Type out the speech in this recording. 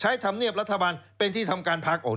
ใช้ธัมเนียบรัฐบาลเป็นที่ทำการภักดิ์